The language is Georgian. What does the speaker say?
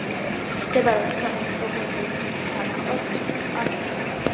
მდებარეობს ქვეყნის გეოგრაფიულ ცენტრთან ახლოს, ანდების მთების აღმოსავლეთით.